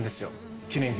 記念日を。